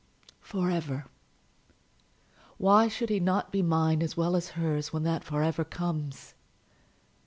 "For ever! Why should he not be mine as well as hers when that for ever comes?